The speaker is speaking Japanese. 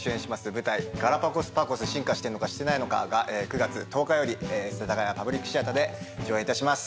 舞台『ガラパコスパコス進化してんのかしてないのか』が９月１０日より世田谷パブリックシアターで上演いたします